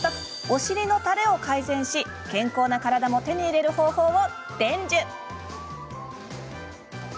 お尻のたれを改善し健康な体も手に入れる方法を伝授。